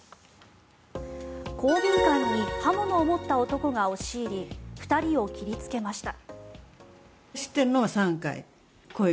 公民館に刃物を持った男が押し入り２人を切りつけました。